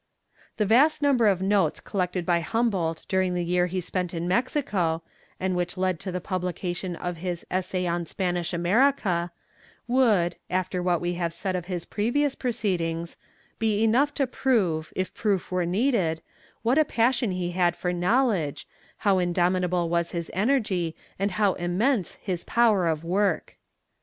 The vast number of notes collected by Humboldt during the year he spent in Mexico, and which led to the publication of his Essay on Spanish America, would, after what we have said of his previous proceedings, be enough to prove, if proof were needed, what a passion he had for knowledge, how indomitable was his energy and how immense his power of work.